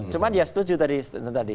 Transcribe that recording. cuma dia setuju tadi